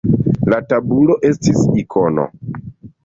La tabulo estis ikono.